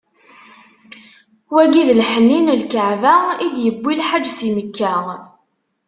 Wagi d lḥenni n Lkeɛba, i d-yewwi lḥaǧ si Mekka.